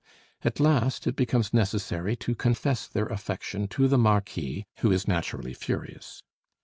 At last it becomes necessary to confess their affection to the Marquis, who is naturally furious.